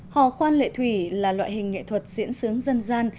hò khoan lệ thủy là loại hình nghệ thuật diễn xướng dân gian